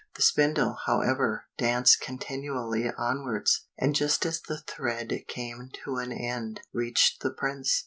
The spindle, however, danced continually onwards, and just as the thread came to an end, reached the prince.